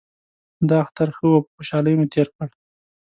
دا اختر ښه و او په خوشحالۍ مو تیر کړ